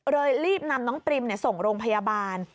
รีบนำน้องปริมส่งโรงพยาบาล